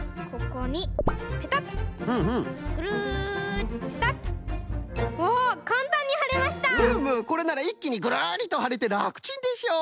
これならいっきにぐるりとはれてらくちんでしょ？